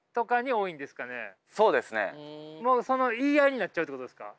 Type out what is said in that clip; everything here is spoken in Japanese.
もうその言い合いになっちゃうってことですか？